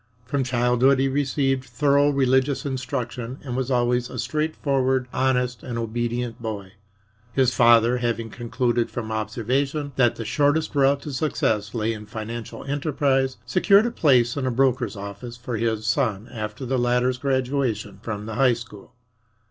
From childhood he received thorough religious instruction and was always a straightforward, honest and obedient boy. His father, having concluded from observation that the shortest route to success lay in financial enterprise, secured a place in a broker's office for his son after the latter's graduation from the high school.